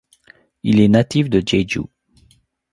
Il est natif de Jeju.